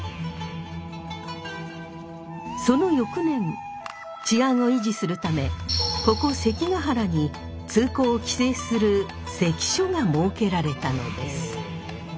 その翌年治安を維持するためここ関ケ原に通行を規制する関所が設けられたのです。